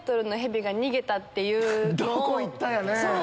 どこ行った？やね！